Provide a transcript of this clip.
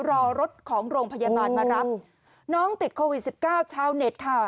รอรถของโรงพยาบาลมารับน้องติดโควิดสิบเก้าชาวเน็ตค่ะ